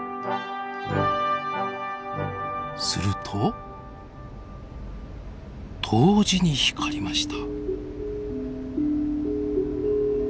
すると同時に光りました。